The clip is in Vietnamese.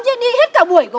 chứ đi hết cả buổi của cô